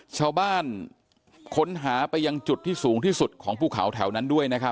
ชาวบ้านค้นหาไปยังจุดที่สูงที่สุดของภูเขาแถวนั้นด้วยนะครับ